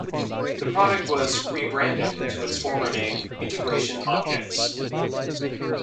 The product was re-branded to its former name "Integration Objects".